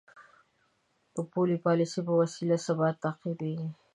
د پولي پالیسۍ په وسیله ثبات تعقیبېږي.